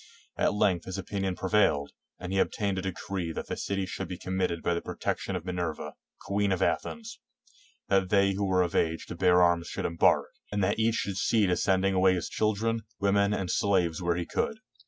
At length his opinion prevailed, and he obtained a decree that the city should be committed to the protec tion of Minerva, ''queen of Athens"; that they who were of age to bear arms should embark, and that each should see to sending away his children, women, and slaves where he could.